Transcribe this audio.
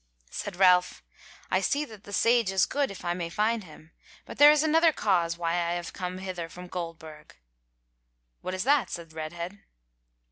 Said Ralph, "I say that the Sage is good if I may find him. But there is another cause why I have come hither from Goldburg." "What is that?" said Redhead.